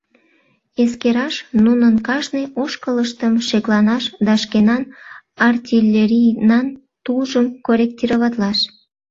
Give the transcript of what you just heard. Эскераш, нунын кажне ошкылыштым шекланаш да шкенан артиллерийнан тулжым корректироватлаш.